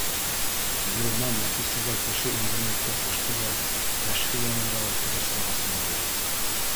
Ғилман Нәфисәгә кеше индермәҫкә ҡушты ла, Кәшфи янындағы креслоға сумды